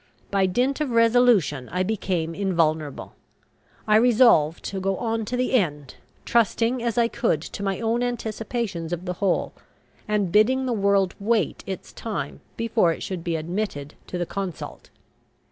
By dint of resolution I became invulnerable. I resolved to go on to the end, trusting as I could to my own anticipations of the whole, and bidding the world wait its time before it should be admitted to the consult.